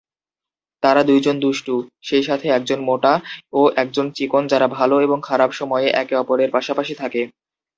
তারা দুইজন দুষ্টু, সেই সাথে একজন মোটা ও একজন চিকন যারা ভাল এবং খারাপ সময়ে একে অপরের পাশাপাশি থাকে।